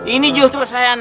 ini justru saya nangis